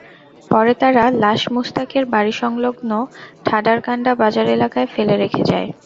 পরে তারা লাশ মুসতাকের বাড়িসংলগ্ন ঠাডারকান্ডা বাজার এলাকায় ফেলে রেখে যায়।